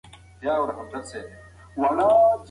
اګوستين وايي چي دولت بايد له کليسا اطاعت وکړي.